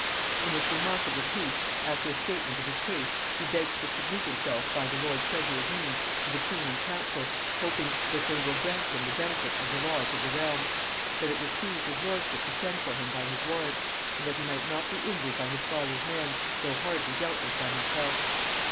In this remarkable piece, after a statement of his case, he begs to submit himself by the lord treasurer's means to the queen and council, hoping that they will grant him the benefit of the laws of the realm; that it would please his lordship to send for him by his warrant; and that he might not be injured by his father's men, though hardly dealt with by himself.